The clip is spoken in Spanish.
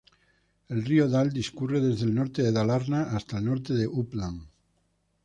El río Dal discurre desde el norte de Dalarna hasta el norte de Uppland.